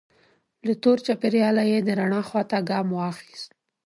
له تور چاپیریاله یې د رڼا خوا ته ګام واخیست.